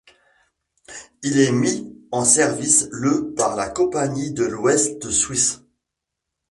Il est mis en service le par la compagnie de l'Ouest-Suisse.